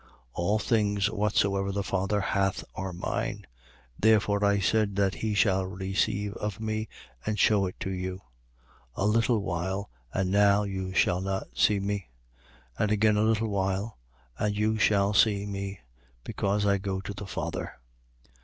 16:15. All things whatsoever the Father hath are mine. Therefore I said that he shall receive of me and shew it to you. 16:16. A little while, and now you shall not see me: and again a little while, and you shall see me: because I go to the Father.